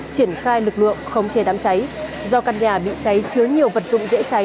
triển khai lực lượng không chê đám cháy do căn nhà bị cháy chứa nhiều vật dụng dễ cháy